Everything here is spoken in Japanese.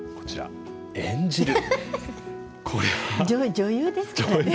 女優ですからね。